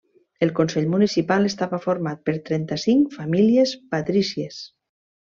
El consell municipal estava format per trenta-cinc famílies patrícies.